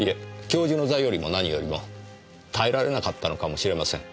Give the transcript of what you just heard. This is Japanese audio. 教授の座よりも何よりも耐えられなかったのかもしれません。